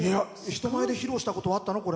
人前で披露したことあったの？